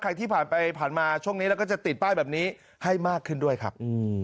ที่ผ่านไปผ่านมาช่วงนี้แล้วก็จะติดป้ายแบบนี้ให้มากขึ้นด้วยครับ